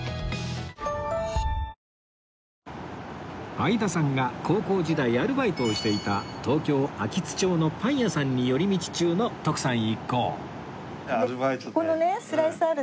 相田さんが高校時代アルバイトをしていた東京秋津町のパン屋さんに寄り道中の徳さん一行でここのね